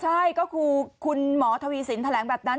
ใช่ก็คือมทวีสินแสดงแบบนั้น